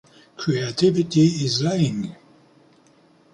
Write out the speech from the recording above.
Creativity is lying.